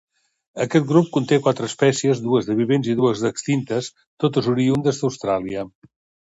Aquest grup conté quatre espècies, dues de vivents i dues d'extintes, totes oriündes d'Austràlia.